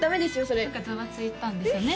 それざわついたんですよね